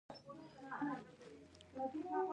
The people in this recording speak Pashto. زه د سپوږمۍ رڼا خوښوم.